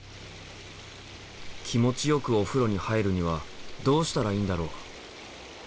気持ちよくお風呂に入るにはどうしたらいいんだろう？